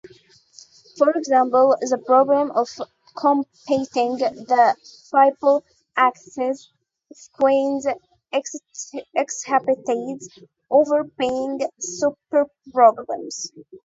For example, the problem of computing the Fibonacci sequence exhibits overlapping subproblems.